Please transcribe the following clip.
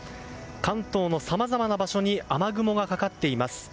関東のさまざまな場所に雨雲がかかっています。